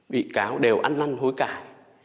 bị cáo đều ăn năn hối cải